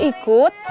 bapak gak ikut